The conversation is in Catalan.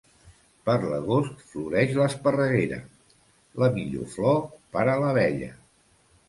Per l'agost floreix l'esparreguera, la millor flor per a l'abella.